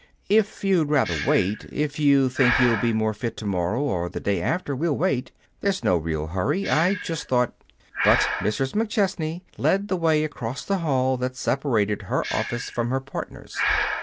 "If you'd rather wait, if you think you'll be more fit to morrow or the day after, we'll wait. There's no real hurry. I just thought " But Mrs. McChesney led the way across the hall that separated her office from her partner's.